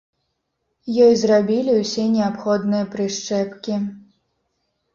Ёй зрабілі ўсе неабходныя прышчэпкі.